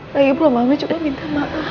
lagi belum mama juga minta maaf